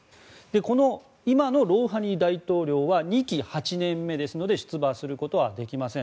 この今のロウハニ大統領は２期８年目ですので出馬することはできません。